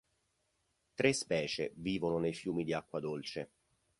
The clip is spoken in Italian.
Tre specie vivono nei fiumi di acqua dolce.